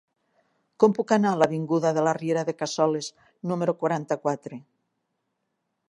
Com puc anar a l'avinguda de la Riera de Cassoles número quaranta-quatre?